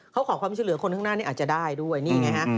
เขาขอความช่วยเหลือคนข้างหน้านี่อาจจะได้ด้วยนี่ไงฮะ